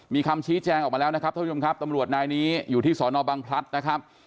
มีคำชี้แจงออกมาแล้วนะครับท่านผู้ชมครับตำรวจนายนี้อยู่ที่สอนอบังพลัดนะครับ